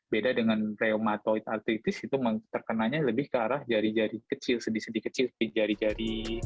beda dengan reumatoid artritis itu terkenanya lebih ke arah jari jari kecil sedi sendi kecil ke jari jari